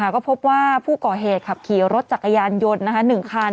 ก็พบว่าผู้ก่อเหตุขับขี่รถจักรยานยนต์๑คัน